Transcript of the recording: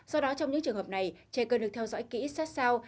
do đó trong những trường hợp này trẻ cần được theo dõi kỹ sát sao